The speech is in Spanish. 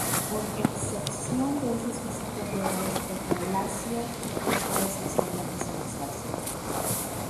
Con excepción de esas visitas reales el palácio estaba esencialmente sin usarse.